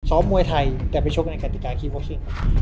ชอบมวยไทยแต่ไปชบกันในกฎิกาคีย์วอคซิ่ง